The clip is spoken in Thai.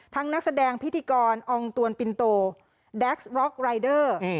นักแสดงพิธีกรองตวนปินโตแด็กซ์บล็อกรายเดอร์